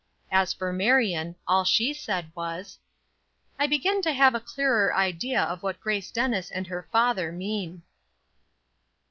As for Marion, all she said was: "I begin to have a clearer idea of what Grace Dennis and her father mean."